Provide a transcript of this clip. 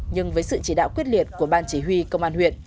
nhưng với sự chỉ đạo quyết liệt của ban chỉ huy công an huyện